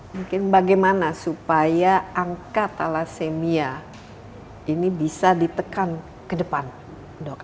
mungkin bagaimana supaya angka thalassemia ini bisa ditekan ke depan dok